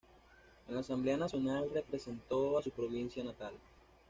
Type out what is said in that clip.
En la Asamblea Nacional representó a su provincia natal.